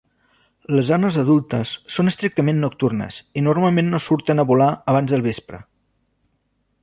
Les arnes adultes són estrictament nocturnes i normalment no surten a volar abans del vespre.